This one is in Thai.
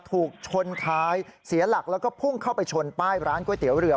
ถูกชนท้ายเสียหลักแล้วก็พุ่งเข้าไปชนป้ายร้านก๋วยเตี๋ยวเรือ